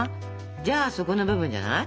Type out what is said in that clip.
じゃあ底の部分じゃない？